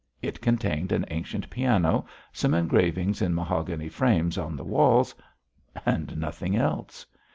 It contained an ancient piano, some engravings in mahogany frames on the walls and nothing else.